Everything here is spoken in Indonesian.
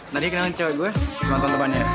nadi kenalin cewek gue sama temen temennya